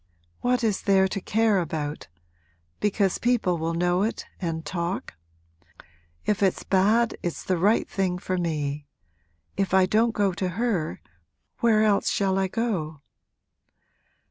'What is there to care about? Because people will know it and talk? If it's bad it's the right thing for me! If I don't go to her where else shall I go?'